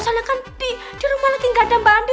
salahkan di rumah lagi nggak ada mbak andi